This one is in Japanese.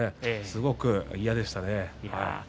すごく嫌でしたね。